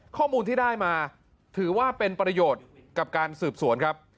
ข้อมูลที่ได้มาถือว่าเป็นประโยชน์กับการสืบสวนครับ